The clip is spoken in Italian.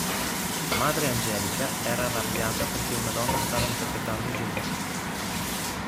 Madre Angelica era arrabbiata perché una donna stava interpretando Gesù.